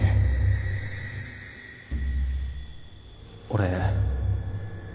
俺